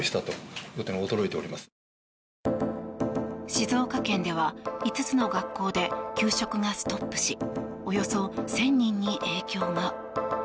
静岡県では５つの学校で給食がストップしおよそ１０００人に影響が。